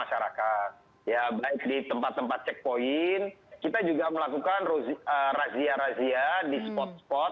masyarakat ya baik di tempat tempat checkpoint kita juga melakukan razia razia di spot spot